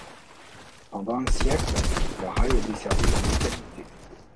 Pendant un siècle, le rail a desservi la localité.